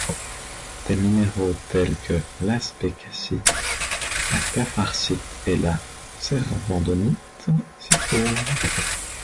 Des minéraux tel que l'Asbecasite, la Cafarsite et la Cervandonite s'y trouvent.